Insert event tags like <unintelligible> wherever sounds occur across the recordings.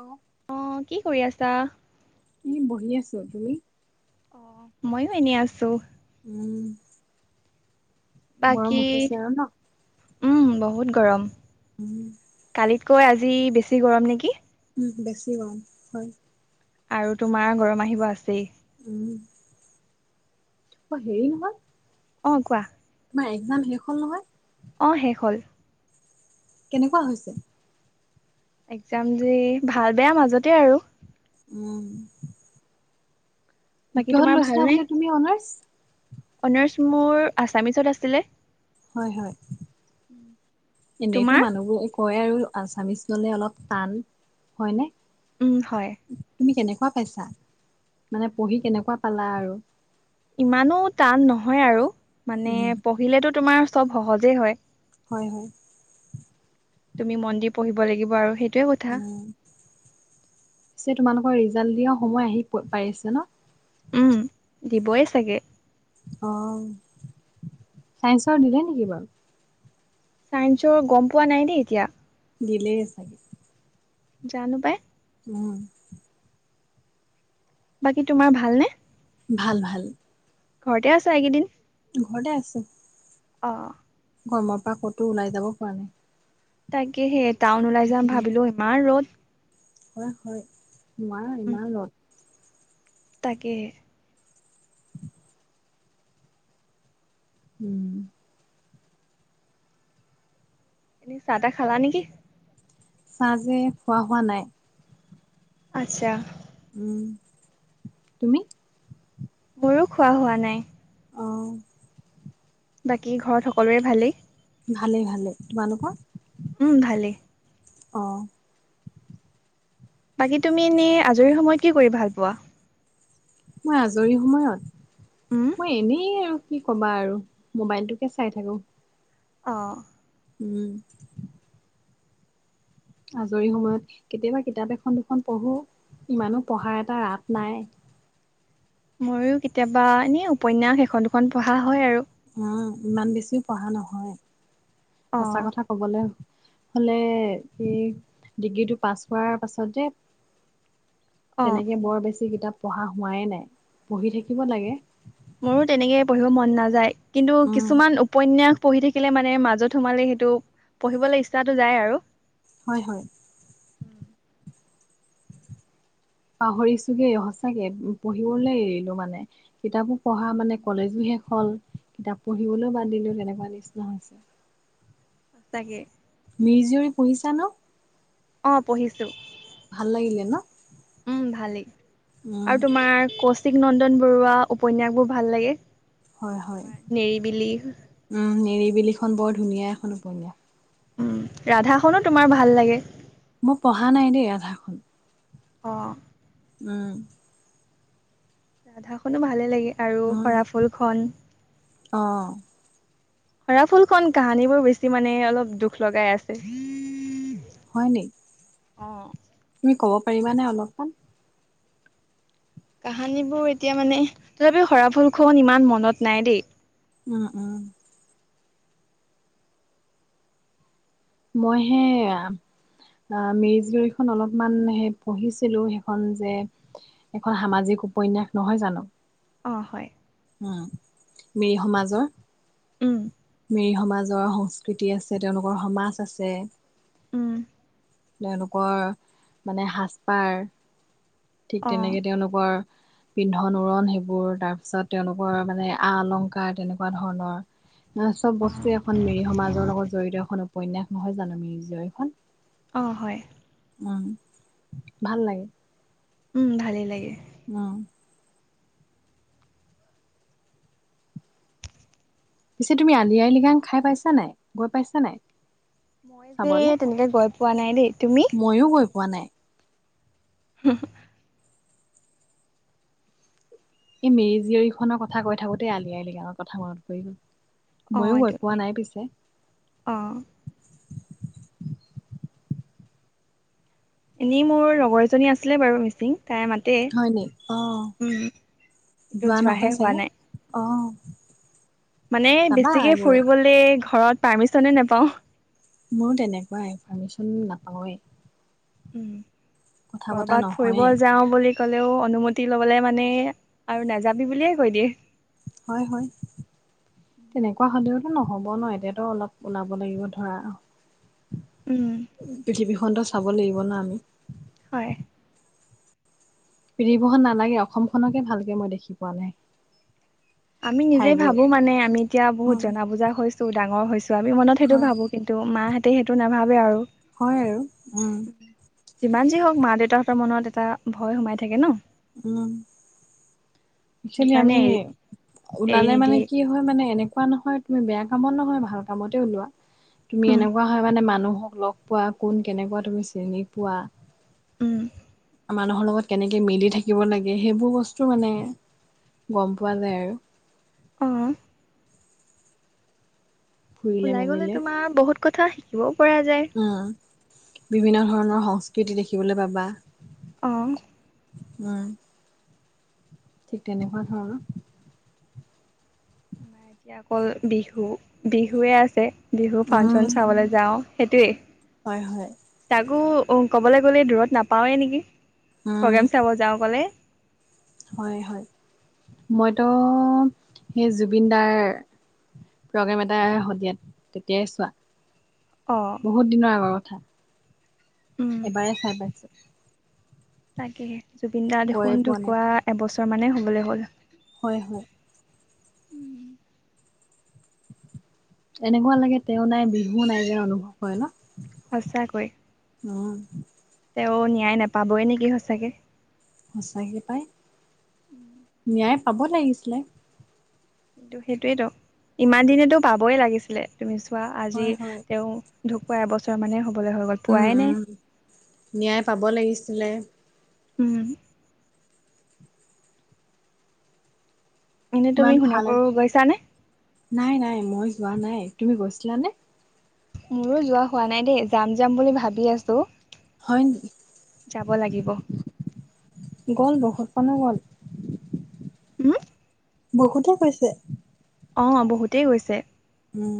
অ অ কি কৰি আছা এনে আছো তুমি অ মইও এনে আছো উম গৰম বাকী উঠিছে আৰু ন উম বহুত গৰম উম কয় আজি বেছি গৰম নেকি উম বেছি গম হয় আৰু তোমাৰ গৰম আহিব আছেই উম অ হেৰি নহয় অ কোৱা তোমাৰ একজাম শেষ হল নহয় অ শেষ হ'ল কেনেকুৱা হৈছে একজাম যে ভাল বেয়া মাজতে আৰু উম বাকী কিহত তোমাৰ লৈছিলা বোলে তুমি অনাৰচ <unintelligible> অনাৰ্চ মোৰ আছামিচত আছিলে হয় হয় এনেইতো তোমাৰ? মানুহ বোৱে কয় আৰু আছামিচ ললে অলপ টান হয়নে উম হয় তুমি কেনেকুৱা পাইছা মানে পঢ়ি কেনেকুৱা পালা আৰু ইমানো টান নহয় আৰু মানে উম পঢ়িলেতো তোমাৰ চব সহজেই হয় হয় হয় তুমি মনদি পঢ়িব লাগিব আৰু সেই উম পিছে তোমালোকৰ ৰিজাল্ট দিয়া সময় আহি প পাইছে ন উম, দিবই চাগে অ চাইন্সৰ দিলে নেকি বাৰু চাইন্সৰ গম পোৱা নাই দেই এতিয়া দিলেই চাগে জানো পাই উম বাকী তোমাৰ ভালনেে ভাল ভাল ঘৰতে আছা এইকেইদিন ঘৰতে আছো অ গৰমৰ পৰা ক'তো ওলাই যাব পৰা নাই তাকে সেই টাউন ওলাই যাম উম, ভাবিলো ইমান ৰ'দ হয় হয় নোৱাৰ উম ইমান লগত তাকে উম এনেই চাহ তাহ খালা নেকি ছাহ যে খোৱা হোৱা নাই আচ্ছা উম তুমি মোৰো খোৱা হোৱা নাই অ' বাকী ঘৰত সকলোৰে ভালেই ভালেই ভালে তোমালোকৰ উম ভালেই আহঁ বাকী তুমি এনে আজৰি সময়ত কি কৰি ভাল পোৱা মই আজৰি সময়ত উম মই এনেই আৰু কি ক'বা আৰু মোবাইলটোকে চাই থাকো অ উম আজৰি সময়ত কেতিয়াবা কিতাপ এখন দুখন পঢ়ো ইমানো পঢ়াৰ এটা ৰাত নাই <unintelligible> ময়ো কেতিয়াবা এনে উপন্যাস এখন দুখন পঢ়া হয় আৰু উম ইমান বেছিও পঢ়া নহয় অ সঁচা কথা কবলৈ হলে এই ডিগ্ৰীটো পাছ হোৱাৰ পাছত যে অ তেনেকে বৰ বেছি কিতাপ পঢ়া হোৱাই নাই পঢ়ি থাকিব লাগে মোৰো তেনেকে পঢ়িব মন নাযায় কিন্তু উম, কিছুমান উপন্যাস পঢ়ি থাকিলে মানে মাজত সোমালে সেইটো পঢ়িবলৈ ইচ্ছাটো যায় আৰু হয় হয় উম পাহৰিছোগে সচাকে পঢ়িবলৈ এৰিলো মানে কিতাপো পঢ়া মানে কলেজো শেষ হল কিতাপ পঢ়িবলৈও বান্ধিলো তেনেকুৱা নিচিনা হৈছে সঁ তাকে <unintelligible> মিৰি জীয়ৰী পঢ়িছা ন অ পঢ়িছো ভাল লাগিলে ন উম ভালেই উম আৰু তোমাৰ কৌশিক নন্দন বৰুৱা উপন্যাস বোৰ ভাল লাগে হয় হয় তোমাৰ নেৰিবিলি উম নিৰিবিলিখন বৰ ধুনীয়া এখন উপন্যাস উম ৰাধাখননো তোমাৰ ভাল লাগে মই পঢ়া নাই দেই ৰাধাখনন অ উম ৰাধা খনো ভালে লাগে আৰু সৰাফুল খন আহ হৰা ফুল খন কাহানী বোৰ বেছি মানে অলপ দুখ লগাই আছে হয় নি অ তুমি কব পাৰিবানে অলপমান। কাহানীবোৰ এতিয়া মানে তথাপি সৰাফুলখন ইমান মনত নাই দেই। উম উম। মই হে। অ মেৰিজ লখন অলপমান সেই পঢ়িছিলো সেইখন যে এখন সামাজিক? উপন্যাস নহয় জানো। অ হয় মিৰি সমাজৰ। উম মিৰি সমাজৰ সংস্কৃতি আছে তেওঁলোকৰ সমাজ আছে। উম তেওঁলোকৰ মানে সাজপাৰ ঠিক অ তেনেকে তেওঁলোকৰ। পিন্ধন উৰণ সেইবোৰ তাৰ পিছত তেওঁলোকৰ মানে আ অলংকাৰ তেনেকুৱা ধৰণৰ। <unintelligible> অ চব বস্তুৱে এখন মিৰি সমাজৰ লগত জড়িত এখন উপন্যাস নহয় জানো মিৰি জখন। অঁ হয় ভাল লাগে। উম ভালেই লাগে। অ পিছে তুমি আলি আই লৃগাং খাই পাইছা নাই গৈ পাইছা নাই। <unintelligible> মই যে চাবলে তেনেকে গৈ পোৱা নাই দেই। তুমি ময়ো গৈ পোৱা নাই। হ <unintelligible> এই মিৰি জীয়ৰীখনৰ কথা কৈ থাকোতেই আলি আই লিগাৱৰ কথা মনত পৰি গল। <unintelligible> অ ময়ো এইটো গৈ পোৱা নাই পিছে। অ এনেই মোৰ লগৰ এজনী আছিলে বাৰু মিচিং। তাইৰ মাতে হয় নি অ কিন্ত যোৱা নহয় যোৱাহে হোৱা চাগে নাই। অ মানে যাবা বেছিকে এইবোৰ ফুৰিবলে ঘৰত পাৰ্মিচনে নোপাওঁ? ময় তেনেকুৱা ইনফাৰ্মেশ্যন নাপাওঁৱেই? উম কথা পতা কৰবাত ফুৰিব নহয়ে যাও বুলি। ক'লেও অনুমতি ল'বলৈ মানে আৰু নাযাবি বুলিয়ে কৈ দিয়ে। হয় হয় তেনেকুৱা হলেও। নহব ন এতিয়াতো অলপ ওলাব লাগিব ধৰা উম পৃথিৱী। <unintelligible> এটো চাব লাগিব ন আমি। হয় পিধবহন নালাগে অসমখনকে ভালকে মই দেখি পোৱা নাই। <unintelligible> আমি নিজে ঠাইবোৰ ভাবো মানে আমি এতিয়া বহুত হয় জনা বুজা হৈছো ডাঙৰ হৈছো আমি মনত সেইটো হয় ভাবো কিন্তু মাহ। সেতি সেইটো নাভাবে আৰু হয় আৰু উম যিমান যি হওক মা দেউতা ৰ মনত এটা ভয় সোমাই থাকে ন। উ একচলি সেইকাৰণে আমি এৰি এৰি ওলালে মানে নিদিয়ে কি হয় মানে এনে এনেকোৱা নহয় তুমি বেয়া কামত নহয় ভাল কামতে ওলোৱা তুমি উম এনেকোৱা হয় মানে মানুহ হক লগ পোৱা কোন কেনেকোৱা তুমি চিনি পোৱা। উম মানুহৰ লগত কেনেকে মিলি থাকিব লাগে সেইবোৰ বস্তু মানে গম পোৱা যায় আৰু। অহ ফুৰিলে ওলাই গলে মেলিলে তোমাৰ বহুত কথা শিকিবও পৰা যায়। উম বিভিন্ন ধৰণৰ সংস্কৃতি দেখিবলৈ পাবা। অহ উম ঠিক তেনেকোৱা ধৰণৰ। আ এতিয়া অকল বিহু বিহুৱে আছে বিহু উম ফাংচন চাবলৈ যাওঁ। সেইটোৱেই হয় হয় আকৌ ক'বলৈ গ'লে দূৰত নাপাওঁৱেই নেকি উম প্ৰগ্ৰেম চাব যাওঁ ক'লে হয় হয় মইতো সেই জুবিন দাৰ প্ৰগ্ৰেম এটাই আহে শদিয়াত তেতিয়াই চোৱা অ'। বহুত দিনৰ আগৰ কথা উম, এবাৰে চাই পাইছো তাকেহে জুবিন দা গৈয়ে দেখোন পোৱা নাই ঢোকুৱা এবছৰ মানে হবলৈ হ'ল হয় হয় এনেকোৱা লাগে তেওঁ নাই বিহুও নাই যেন অনুভৱ হয় ন সচাকৈ উম তেওঁ ন্যায় নাপাবই নেকি সচাকে সঁচাকে পাই ন্যায় পাব লাগিছিলে কিন্তু সেইটোয়েতো ইমান দিনেতো পাবই লাগিছিলে তুমি চোৱা আজি হয় হয় তেওঁ ঢোকুৱা এবছৰ মানে হ'ব উম উম ন্যায় পাব লাগিছিলে উম এনে তুমি ইমান ভাল সোণাপুৰ আছি গৈছানে? নাই নাই মই যোৱা নাই তুমি গৈছিলানে মোৰো যোৱা হোৱা নাই দেই যাম যাম বুলি ভাবি আছো হয় নেকি যাব লাগিব। গ'ল বহুত অনু গল হম বহুতে কৈছে অ বহুতেই গৈছে উম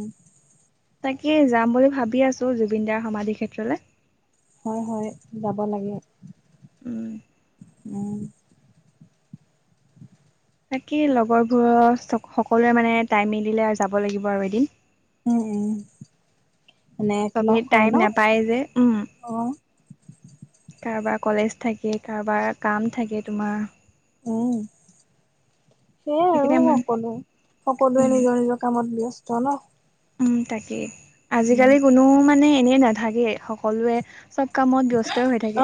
তাকেই যাম বুলি ভাবি আছো জুবিন দাৰ সমাধি ক্ষেত্ৰলৈ হয় হয় যাব লাগে উম উম তাকে লগৰবোৰৰ সকলোৱে মানে টাইম মিলিলে আ যাব লাগিব আৰু এদিন উম উম এতিয়া এনে চবে লগ হয় টাইম ন নাপায় যে উম অ কাৰোবাক কলেজ থাকে কাৰোবাৰ কাম থাকে তোমাৰ উম সেয়াই আৰু সেইকাৰণে মানে সকলো সকলোৱে উম নিজৰ নিজৰ কামত ব্যস্ত ন উম তাকেই উম। আজিকালি কোনো মানে এনে নাথাকে সকলোৱে চব কামত ব্যস্তই হৈ থাকে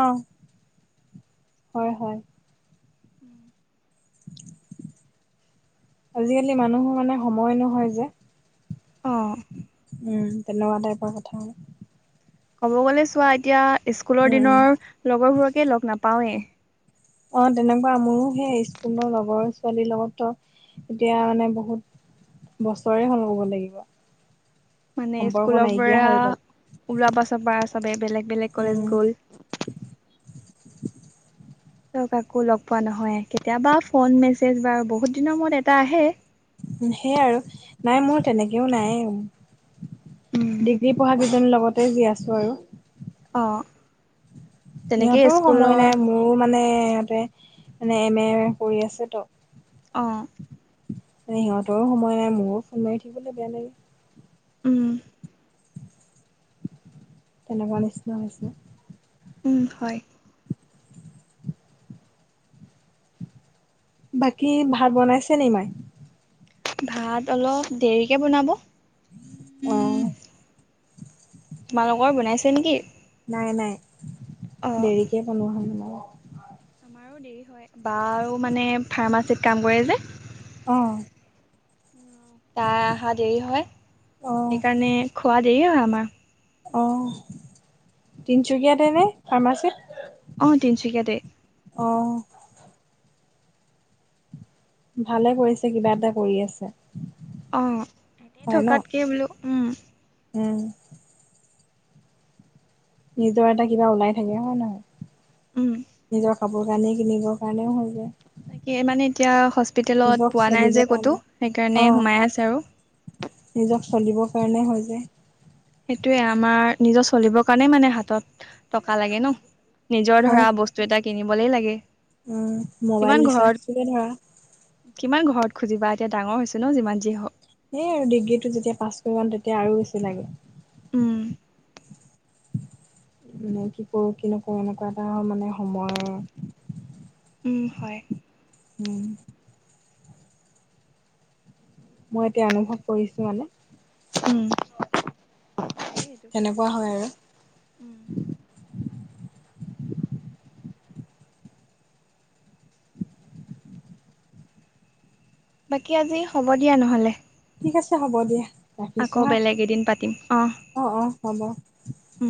আহ হয় হয় উম আজিকালি মানুহৰ মানে সময় নহয় যে অঁ উম, তেনেকুৱা টাইপৰ কথা ক'ব গ'লে চোৱা এতিয়া স্কুলৰ উম, উম। দিনৰ লগৰবোৰকে লগ নাপাওঁৱেই অ তেনেকুৱা মোৰো সেই স্কুলৰ লগৰ ছোৱালীৰ লগতো এতিয়া মানে বহুত বছৰে হল কব লাগিব মানে সম্পৰ্ক স্কুলৰ নাইকিয়া পৰা হৈ গ'ল। ওলাবা চাবা চবে বেলেগ বেলেগ কলেজ উম, গ'ল চ কাকো লগ পোৱা নহয় কেতিয়াবা ফোন মেছেজ বাৰু বহুত দিনৰ মূৰত এটা আহে সেইয়াই আৰু নাই মোৰ তেনেকেও নাই উম। ডিগ্ৰী পঢ়া কেইজনীৰ লগতে জি আছোঁ আৰু অ তেনেকে সিহঁতৰো সময় স্কুলৰ নাই মোৰো মানে ইহঁতে মানে এম এ কৰি আছেতো অঁ মানে সিহঁতৰো সময় নাই মোৰো ফোন মাৰি থাকিবলৈ বেয়া লাগে আহ তেনেকুৱা নিচিনা হৈছে হয় বাকী ভাত বনাইছে নি মাই ভাত অলপ দেৰিকে বনাব আহ তোমালোকৰ বনাইছে নেকি নাই নাই অ দেৰিকৈ কনো হয় ন বাৰ <unintelligible> বাৰ দেৰি হয় বা মানে ফাৰ্মাচীত কাম কৰে যে আহ তাই অহা দেৰি হয় অ', সেইকাৰণে খোৱা দেৰি হয় আমাৰ অঁ তিনিচুকীয়াতেনে ফাৰ্মাচীত অ তিনিচুকীয়া দেই অ', ভালে কৰিছে কিবা এটা কৰি আছে অ এতি হয় ন? থকাতকে বোলো উম <unintelligible> উম নিজৰ এটা কিবা ওলাই থাকে হ নহয় উম, নিজৰ খ বৰ কানী কিনিবৰ কাৰণেও হৈ যায় তাকে মানে এতিয়া হস্পিতেলত নিজক পোৱা নাই যে চলিবৰ ক'তো কাৰণে সেইকাৰণে অ', সোমাই আছে আৰু নিজক চলিবৰ কাৰণে হয় যে সেইটোয়ে আমাৰ নিজৰ চলিবৰ কাৰণে মানে হাতত টকা লাগে ন নিজৰ হয় ধৰা বস্তু এটা কিনিবলৈ লাগে কিমান মোবাইল ঘৰত ৰিচাৰ্জটে ধৰা কিমান ঘৰত খুজিবা এতিয়া ডাঙৰ হৈছে ন যিমান যি এই আৰু ডিগ্ৰীটো যেতিয়া পাছ কৰিবাম তেতিয়া আৰু বেছি লাগে উম মানে কি কৰোঁ কি নকৰোঁ এনেকুৱা এটা মানে সময় হয় উম মই এতিয়া অনুভৱ কৰিছো মানে উম হয়েই এইটো তেনেকুৱা হয় আৰু উম বাকী আজি হ'ব দিয়া নহলে ঠিক আছে হ'ব দিয়া ৰাখিছো আকৌ হা বেলেগ এদিন অ অ হ'ব উ